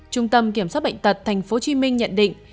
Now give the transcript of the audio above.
trung tâm kiểm soát bệnh tật tp hcm nhận định